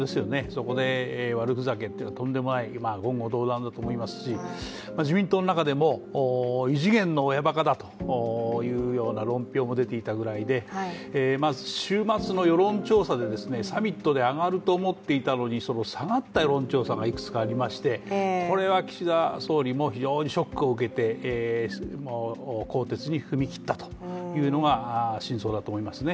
そこで悪ふざけっていうのはとんでもない、言語道断だと思いますし、自民党の中でも、異次元の親ばかだというような論評も出ていたようで週末の世論調査でサミットで上がると思っていたのに下がった世論調査がいくつかありまして、これは岸田総理も非常にショックを受けて、更迭に踏み切ったというのが真相だと思いますね。